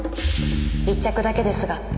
一着だけですが。